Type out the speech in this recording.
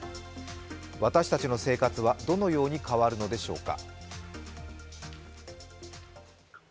私たちの生活はどのように変わるのでしょうか。